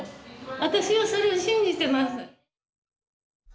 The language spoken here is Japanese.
私はそれを信じてます。